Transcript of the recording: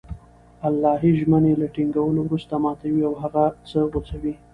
الهي ژمني له ټينگولو وروسته ماتوي او هغه څه غوڅوي